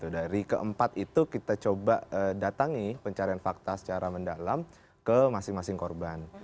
dari keempat itu kita coba datangi pencarian fakta secara mendalam ke masing masing korban